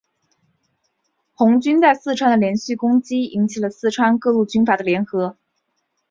红军在四川的连续进攻引起了四川各路军阀的联合。